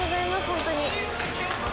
ホントに。